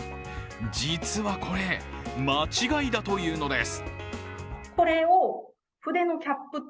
実はこれ、間違いだというのです。